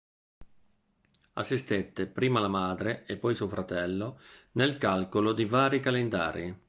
Assistette prima la madre e poi suo fratello nel calcolo di vari calendari.